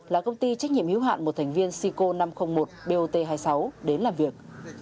là công ty trách nhiệm hiếu hạn một thành viên sico năm trăm linh một bot hai mươi sáu đến làm việc